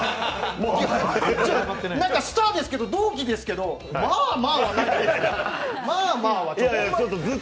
何かスターですけど、同期ですけど、まあまあはちょっと。